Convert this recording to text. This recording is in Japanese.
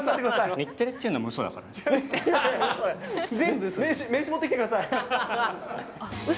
日テレっていうのもうそだか全部うそ。